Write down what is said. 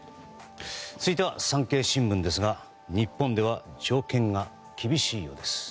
続いては産経新聞ですが日本では条件が厳しいようです。